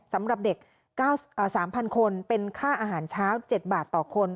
สำหรับเด็ก๓๐๐คนเป็นค่าอาหารเช้า๗บาทต่อคน